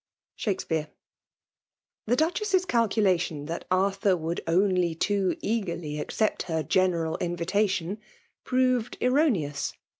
Shakspbarb. The Duchess's calculation, that Arthur would only too eagerly accept her general mvitation, proved erroneous.